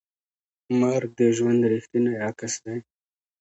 مرګ د ژوند ریښتینی عکس دی.